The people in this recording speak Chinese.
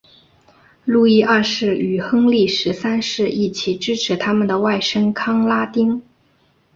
路易二世与亨利十三世一起支持他们的外甥康拉丁。